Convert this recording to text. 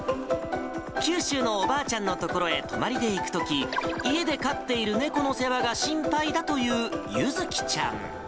九州のおばあちゃんの所へ泊まりで行くとき、家で飼っている猫の世話が心配だというゆづきちゃん。